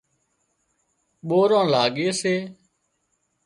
ٻوران لاڳي سي